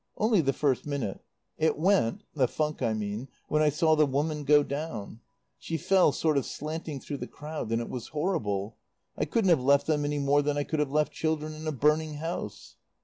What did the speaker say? Only the first minute. It went the funk I mean when I saw the woman go down. She fell sort of slanting through the crowd, and it was horrible. I couldn't have left them then any more than I could have left children in a burning house.